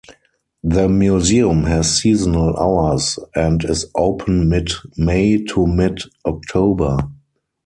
The museum has seasonal hours and is open mid-May to mid-October.